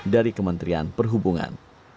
dari kementerian perhubungan